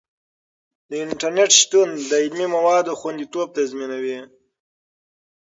د انټرنیټ شتون د علمي موادو خوندیتوب تضمینوي.